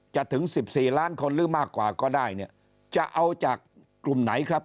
ถึง๑๔ล้านคนหรือมากกว่าก็ได้เนี่ยจะเอาจากกลุ่มไหนครับ